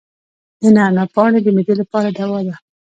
د نعناع پاڼې د معدې لپاره دوا ده.